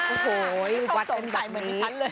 โอ้โฮวัดกันแบบนี้